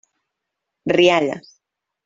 Rialles.